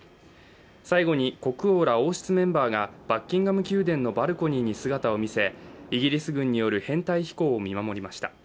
最後に、国王ら王室メンバーがバッキンガム宮殿のバルコニーに姿を見せイギリス軍による編隊飛行を見守りました